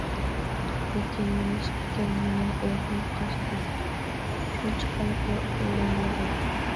لېكىن نېمىشقىكىن مېنىڭ ئۇيقۇم قاچتى، شۇنچە قىلىپمۇ ئۇخلىيالمىدىم.